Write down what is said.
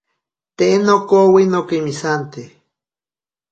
Te nokowi nokemisante.